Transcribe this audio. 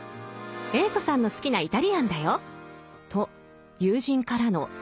Ａ子さんの好きなイタリアンだよ」と友人からの甘い誘惑。